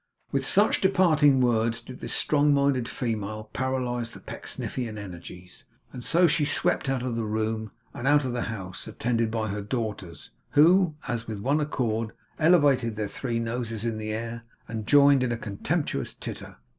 With such departing words, did this strong minded female paralyse the Pecksniffian energies; and so she swept out of the room, and out of the house, attended by her daughters, who, as with one accord, elevated their three noses in the air, and joined in a contemptuous titter.